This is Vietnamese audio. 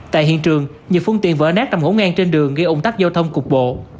tại hiện trường nhiều phương tiện vỡ nát nằm ngỗ ngang trên đường gây ủng tắc giao thông cục bộ